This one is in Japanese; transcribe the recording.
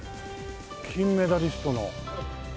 金メダリストの。